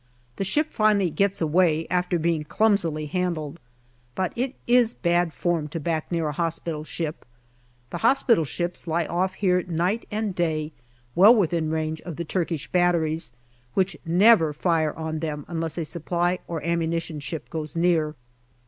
The ship finally gets away after being clumsily handled ; but it is bad form to back near a hospital ship. The hospital ships lie off here night and day, well 186 GALLIPOLI DIARY within range of the Turkish batteries, which never fire on them unless a supply or ammunition ship goes near.